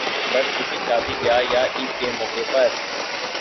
بس کسی شادی بیاہ یا عید کے موقع پر